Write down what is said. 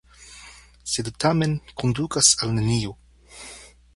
Sed tamen kondukas al nenio.